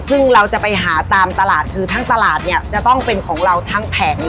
ซึ่งเราจะไปหาตามตลาดคือทั้งตลาดเนี่ยจะต้องเป็นของเราทั้งแผงเลย